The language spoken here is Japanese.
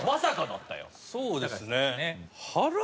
そうですね。